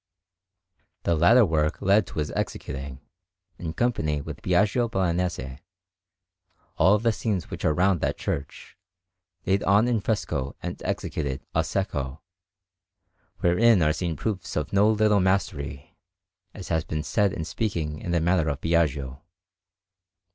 The latter work led to his executing, in company with Biagio Bolognese, all the scenes which are round that church, laid on in fresco and executed "a secco," wherein are seen proofs of no little mastery, as has been said in speaking of the manner of Biagio.